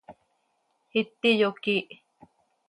Iti yoquiih.